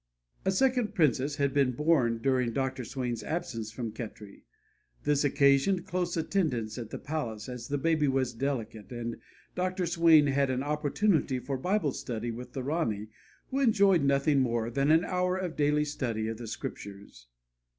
A second princess had been born during Dr. Swain's absence from Khetri. This occasioned close attendance at the palace, as the baby was delicate, and Dr. Swain had an opportunity for Bible study with the Rani who enjoyed nothing more than an hour of daily study of the Scriptures.